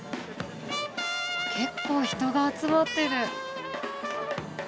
結構人が集まってる。